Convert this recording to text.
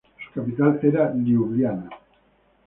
Su capital era Liubliana.